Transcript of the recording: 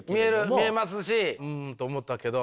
見えますしうんと思ったけど。